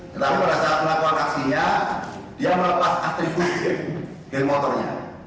tetapi pada saat melakukan aksinya dia melepas atribut geng motornya